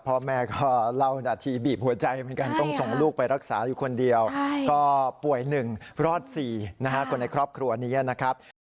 พ่อแม่ก็เล่านาทีบีบหัวใจเหมือนกันต้องส่งลูกไปรักษาอยู่คนเดียวก็ป่วย๑รอด๔นะฮะคนในครอบครัวนี้นะครับ